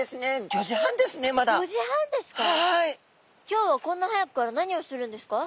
今日はこんな早くから何をするんですか？